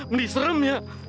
papier seram ya